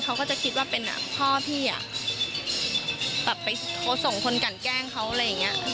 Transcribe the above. เขาก็จะคิดว่าเป็นพ่อพี่อ่ะแบบไปโทรส่งคนกันแกล้งเขาอะไรอย่างนี้